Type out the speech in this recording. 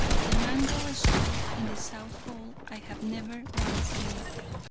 The mangal stove in the south hall I have never once lit.